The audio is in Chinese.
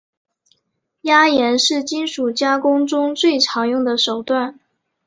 压延是金属加工中最常用的手段。